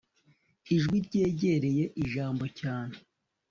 Ijwi ryegereye Ijambo cyane